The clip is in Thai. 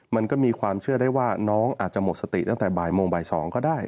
มันก็มีความเชื่อได้ว่าน้องอาจจะหมดสติตั้งแต่บ่ายโมงบ่าย๒ก็ได้